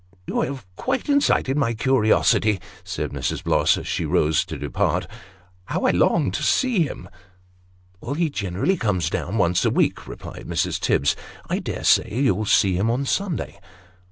" You have quite incited my curiosity," said Mrs. Bloss, as she rose to depart. " How I long to see him !"" He generally comes down, once a week," replied Mrs. Tibbs ;" I dare say you'll see him on Sunday."